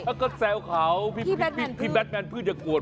ถ้าก็แซวเขาพี่แบทแมนพืชอย่ากลวน